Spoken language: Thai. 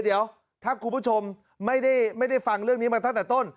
เดี๋ยวถ้าคุณผู้ชมไม่ได้ฟังเรื่องนี้มาตั้งแต่ต้น